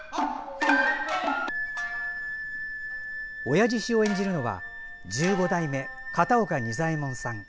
親獅子を演じるのは十五代目片岡仁左衛門さん。